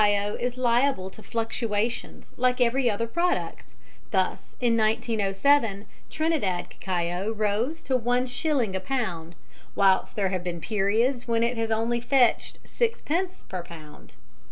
] The price of cacao is liable to fluctuations like every other product, thus in 1907 Trinidad cacao rose to one shilling a pound, whilst there have been periods when it has only fetched sixpence per pound.